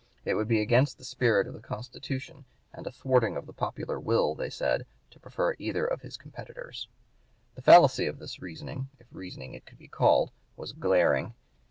It would be against the spirit of the Constitution and a thwarting of the popular will, they said, to prefer either of his competitors. The fallacy of this reasoning, if reasoning it could be called, was glaring.